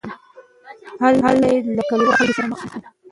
هلته یې له کلیوالو خلکو سره مخ شو.